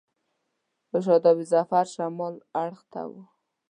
په شاداب ظفر شمال اړخ ته و.